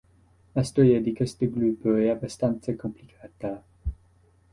La storia di questo gruppo è abbastanza complicata.